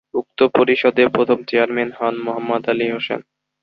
উক্ত পরিষদে প্রথম চেয়ারম্যান হন মোহাম্মদ আলী হোসেন।